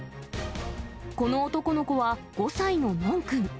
この男の子は５歳のノンくん。